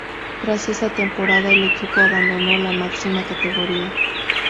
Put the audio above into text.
Tras esa temporada, el equipo abandonó la máxima categoría.